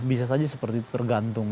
bisa saja seperti itu tergantung